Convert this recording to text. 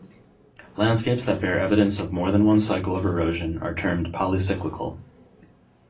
Landscapes that bear evidence of more than one cycle of erosion are termed "polycyclical".